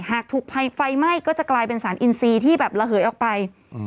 หากถูกภัยไฟไหม้ก็จะกลายเป็นสารอินซีที่แบบระเหยออกไป